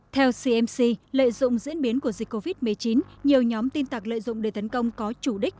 theo cmc lợi dụng diễn biến của dịch covid một mươi chín nhiều nhóm tin tạc lợi dụng để tấn công có chủ đích